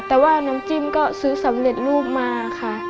แต่ว่าน้ำจิ้มก็ซื้อสำเร็จรูปมาค่ะ